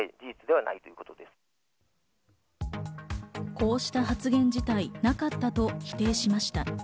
こうした発言自体なかったと否定しました。